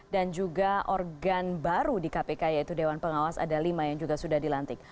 dan juga organ baru di kpk yaitu dewan pengawas ada lima yang juga sudah dilantik